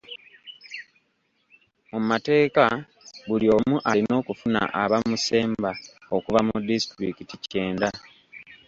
Mu mateeka buli omu alina okufuna abamusemba okuva mu disitulikiti kyenda.